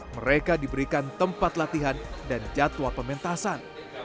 mereka diberikan tempat latihan dan jadwal pementasan